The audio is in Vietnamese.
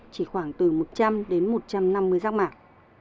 chỉ khoảng từ một trăm linh đến một trăm năm mươi rác mạc